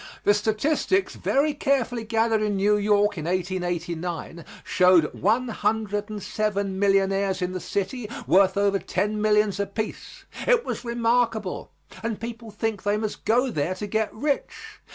The statistics very carefully gathered in New York in 1889 showed one hundred and seven millionaires in the city worth over ten millions apiece. It was remarkable and people think they must go there to get rich.